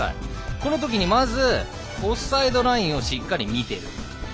このときにまずオフサイドラインをしっかりと見ている。